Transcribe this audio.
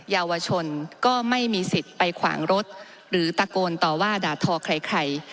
เยาวชนก็ไม่มีสิทธิ์ไปขวางรถหรือตะโกนต่อว่าด่าทอใคร